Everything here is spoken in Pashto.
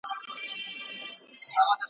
په مابينځ کي یو نوی او معیاري پل جوړېږي.